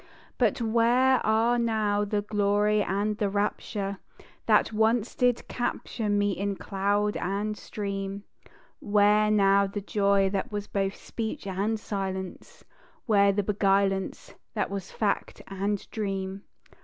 But where are now the Glory and the Rapture, That once did capture me in cloud and stream? Where now the Joy that was both speech and silence? Where the beguilance that was fact and dream?